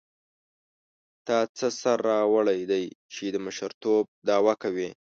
تا څه سر راوړی دی چې د مشرتوب دعوه کوې.